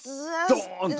ドーンと。